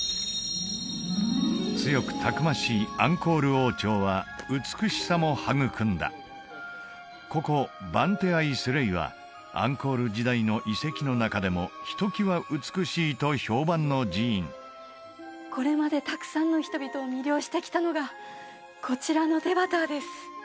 強くたくましいアンコール王朝は美しさも育んだここバンテアイ・スレイはアンコール時代の遺跡の中でもひときわ美しいと評判の寺院これまでたくさんの人々を魅了してきたのがこちらのデヴァターです